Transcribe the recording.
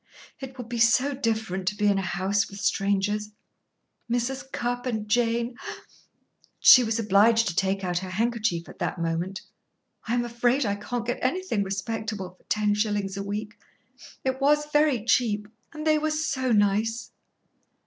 "It will be so different to be in a house with strangers. Mrs. Cupp and Jane " She was obliged to take out her handkerchief at that moment. "I am afraid I can't get anything respectable for ten shillings a week. It was very cheap and they were so nice!"